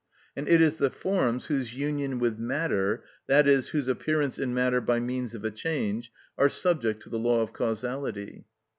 And it is the forms whose union with matter, i.e., whose appearance in matter by means of a change, are subject to the law of causality.